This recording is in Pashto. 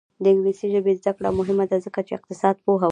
د انګلیسي ژبې زده کړه مهمه ده ځکه چې اقتصاد پوهه ورکوي.